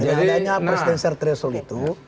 adanya presiden sertresul itu